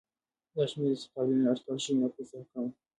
دا شمېر د ستالین له اټکل شوي نفوس څخه کم و.